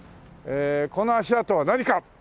この足跡は何か！？